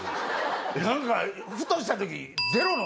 何かふとした時。